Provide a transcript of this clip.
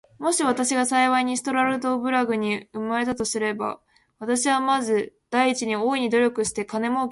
もし私が幸いにストラルドブラグに生れたとすれば、私はまず第一に、大いに努力して金もうけをしようと思います。